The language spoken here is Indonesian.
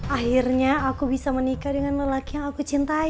akhirnya aku bisa menikah dengan lelaki yang aku cintai